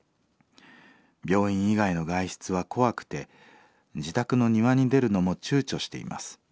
病院以外の外出は怖くて自宅の庭に出るのも躊躇しています。